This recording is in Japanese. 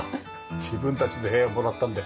自分たちの部屋もらったんで。